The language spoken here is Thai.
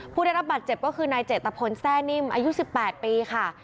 ผู้ได้รับบัตรเจ็บก็คือนายเจตพลแซ่นิ่มอายุ๑๘ปีค่ะ